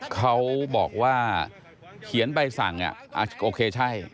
เขาบอกว่าเขียนใบสั่งโอเคใช่